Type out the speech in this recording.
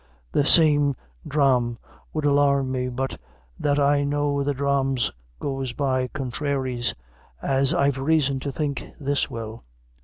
The same dhrame would alarm me but that I know that dhrames goes by contrairies, as I've reason to think this will."